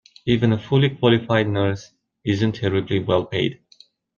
Even a fully qualified nurse isn’t terribly well paid.